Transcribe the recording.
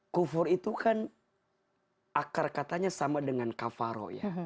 kufur itu kan akar katanya sama dengan kafaro ya